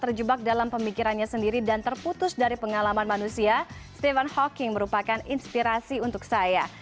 terjebak dalam pemikirannya sendiri dan terputus dari pengalaman manusia stephen hawking merupakan inspirasi untuk saya